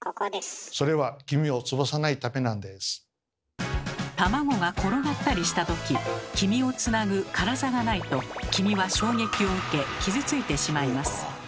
それは卵が転がったりしたとき黄身をつなぐカラザがないと黄身は衝撃を受け傷ついてしまいます。